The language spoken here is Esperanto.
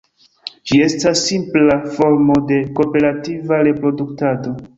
Ĝi estas simpla formo de kooperativa reproduktado.